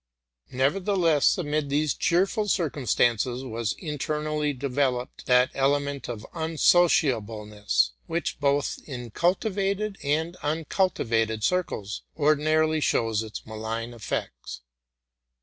Nevertheless, amid those cheerful circumstances was inter nally developed that element of unsociableness, which, both in cultivated and uncultivated circles, ordinarily shows its inalign effects.